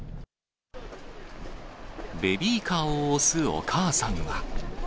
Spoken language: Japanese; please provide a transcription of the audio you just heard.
ベビーカーを押すお母さんは。